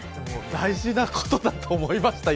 大事なことだと思いました